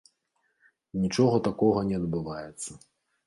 Нічога такога не адбываецца.